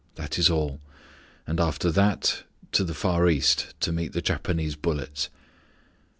That is all. And after that to the Far East to meet the Japanese bullets.